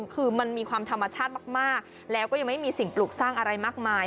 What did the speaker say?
คือมันมีความธรรมชาติมากแล้วก็ยังไม่มีสิ่งปลูกสร้างอะไรมากมาย